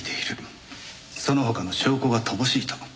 その他の証拠が乏しいと。